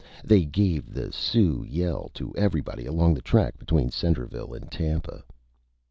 They gave the Sioux Yell to everybody along the Track between Centreville and Tampa.